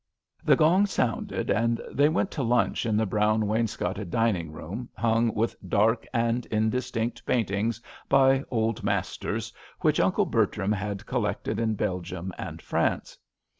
The gong sounded and they went to lunch in the brown wainscoted dining room, hung with dark and indistinct paint ings, by old masters, which Uncle Bertram had collected in Belgium and France.